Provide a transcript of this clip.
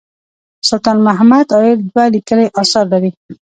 سلطان محمد عايل دوه لیکلي اثار لري.